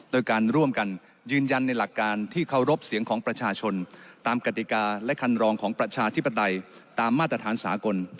โดยการร่วมกันยืนยันในหลักการที่เคารพเสียงของประชาชนตามกติกาและคันรองของประชาธิปไตยตามมาตรฐานสากล